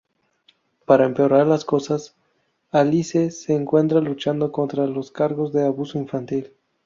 Para empeorar las cosas, Alice se encuentra luchando contra los cargos de abuso infantil.